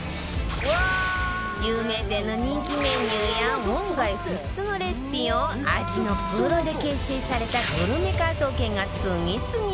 有名店の人気メニューや門外不出のレシピを味のプロで結成されたグルメ科捜研が次々と解明！